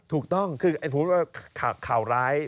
ถูกต้องคือไอ้พูดว่าข่าวร้าย